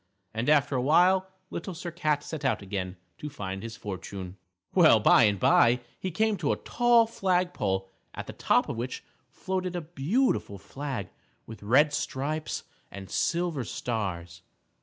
And after a while Little Sir Cat set out again to find his fortune. Well, by and by, he came to a tall flag pole at the top of which floated a beautiful flag with red stripes and silver stars.